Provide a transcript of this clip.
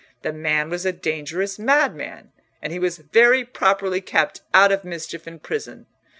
The man was a dangerous madman, and he was very properly kept out of mischief in prison.